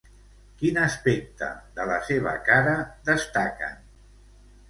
Quin aspecte de la seva cara destaquen?